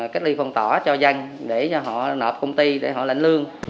cách ly phòng tỏa cho danh để cho họ nộp công ty để họ lãnh lương